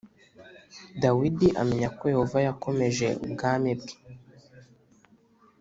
dawidi amenya ko yehova yakomeje ubwami bwe